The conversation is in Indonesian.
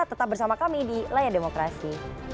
tetap bersama kami di layar demokrasi